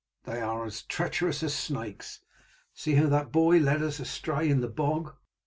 "They are as treacherous as snakes. See how that boy led us astray in the bog."